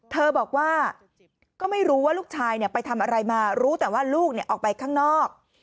เธอบอกว่าก็ไม่รู้ว่าลูกชายไปทำอะไรมารู้แต่ว่าลูกออกไปข้างนอก